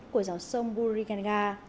của dòng sông buriganga